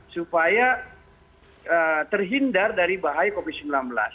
supaya terhindar dari bahaya covid sembilan belas